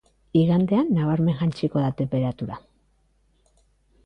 Igandean, nabarmen jaitsiko da tenperatura.